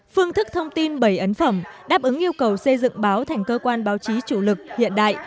phương thức thông tin bảy ấn phẩm đáp ứng yêu cầu xây dựng báo thành cơ quan báo chí chủ lực hiện đại